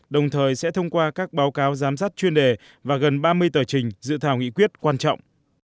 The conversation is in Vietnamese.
đồng thời sẽ thông qua các báo cáo giám sát chuyên đề và gần ba mươi tờ trình dự thảo nghị quyết quan trọng